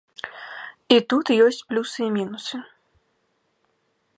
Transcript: І тут ёсць плюсы і мінусы.